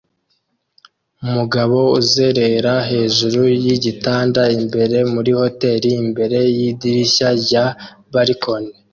Umugabo uzerera hejuru yigitanda imbere muri hoteri imbere yidirishya rya balkoni